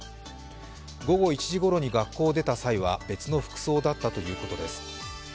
午後１時ごろに学校を出た際は別の服装だったとういことです。